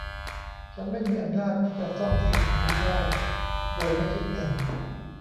ฉันไม่มีอำนาจที่จะซ่อมสิ่งนี้ได้โดยไม่คิดเงิน